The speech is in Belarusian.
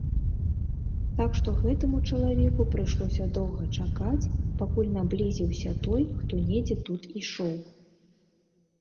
Так што гэтаму чалавеку прыйшлося доўга чакаць, пакуль наблізіўся той, хто недзе тут ішоў.